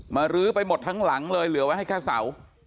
รื้อไปหมดทั้งหลังเลยเหลือไว้ให้แค่เสา